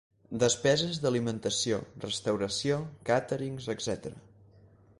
Despeses d'aliments, restauració, càterings, etcètera.